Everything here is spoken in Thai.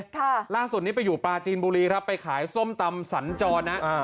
ค่ะล่าสุดนี้ไปอยู่ปลาจีนบุรีครับไปขายส้มตำสันจรนะอ่า